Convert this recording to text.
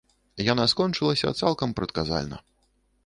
Яна скончылася цалкам прадказальна.